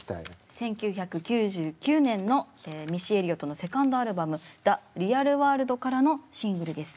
１９９９年のミッシー・エリオットのセカンドアルバム「ＤａＲｅａｌＷｏｒｌｄ」からのシングルです。